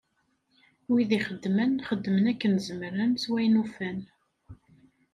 Wid ixeddmen, xeddmen akken zemren s wayen ufan.